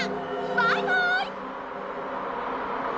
バイバーイ！